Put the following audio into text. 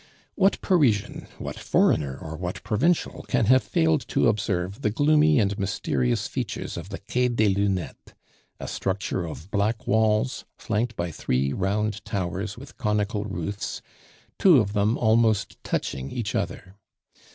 What Parisian, what foreigner, or what provincial can have failed to observe the gloomy and mysterious features of the Quai des Lunettes a structure of black walls flanked by three round towers with conical roofs, two of them almost touching each other?